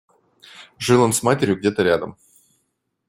Жил он с матерью где-то рядом.